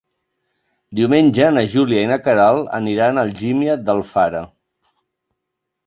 Diumenge na Júlia i na Queralt aniran a Algímia d'Alfara.